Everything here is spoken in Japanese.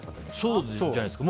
そうじゃないですか。